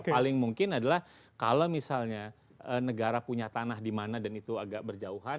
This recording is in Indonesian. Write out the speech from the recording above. paling mungkin adalah kalau misalnya negara punya tanah di mana dan itu agak berjauhan